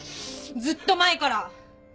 ずっと前から！